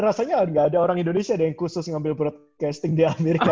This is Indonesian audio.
rasanya nggak ada orang indonesia ada yang khusus ngambil broadcasting di amerika